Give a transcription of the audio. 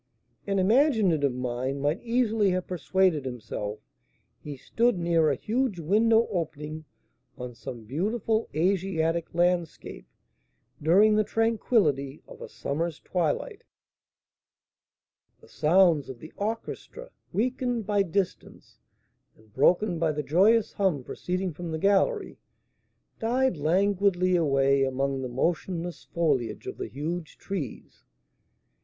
An imaginative mind might easily have persuaded himself he stood near a huge window opening on some beautiful Asiatic landscape during the tranquillity of a summer's twilight. The sounds of the orchestra, weakened by distance, and broken by the joyous hum proceeding from the gallery, died languidly away among the motionless foliage of the huge trees.